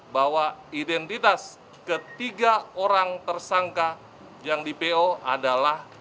bahwa identitas ketiga orang tersangka yang di po adalah